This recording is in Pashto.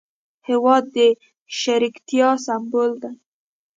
هېواد د شریکتیا سمبول دی.